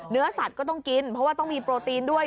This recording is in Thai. เนื้อสัตว์ก็ต้องกินเพราะว่าต้องมีโปรตีนด้วย